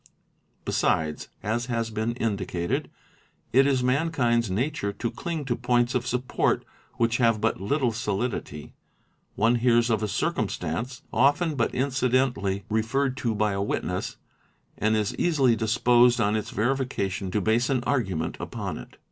Besides, as has been indicated, it is mankind's 4 nature to cling to points of support which have but little'solidity ; one hears of a circumstance (often but incidentally referred to by a witness) and is easily disposed on its verification to base an argument upon it.